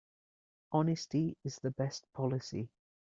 Honesty is the best policy.